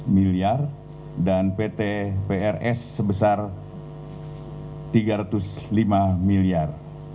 satu empat puluh empat miliar dan pt prs sebesar tiga ratus lima miliar